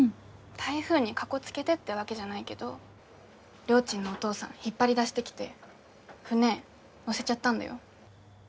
台風にかこつけてってわけじゃないけどりょーちんのお父さん引っ張り出してきて船乗せちゃったんだよ。